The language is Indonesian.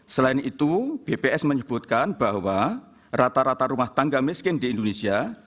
selain itu bps menyebutkan bahwa rata rata rumah tangga miskin di indonesia